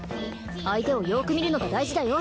相手をよく見るのが大事だよ